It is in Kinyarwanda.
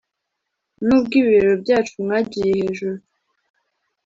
nubwo ibibero byacu mwagiye hejuru